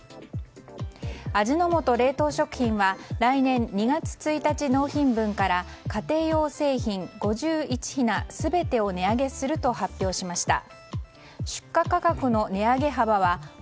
味の素冷凍食品は来年２月１日納品分から家庭用製品５１品全てを値上げすると発表しました。